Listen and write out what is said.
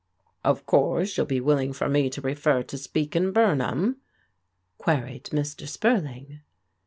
" Of course you'll be willing for me to refer to Speke and Bumham?" queried Mr. Spurling.